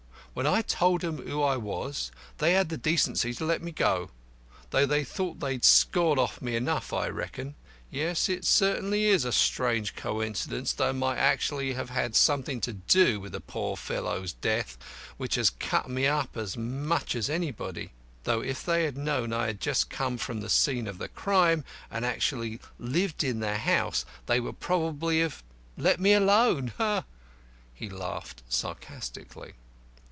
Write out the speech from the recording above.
When I told them who I was they had the decency to let me go. They thought they'd scored off me enough, I reckon. Yes, it certainly is a strange coincidence that I might actually have had something to do with the poor fellow's death, which has cut me up as much as anybody; though if they had known I had just come from the 'scene of the crime,' and actually lived in the house, they would probably have let me alone." He laughed sarcastically.